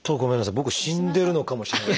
僕死んでるのかもしれない。